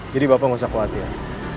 jadi bapak nggak usah khawatir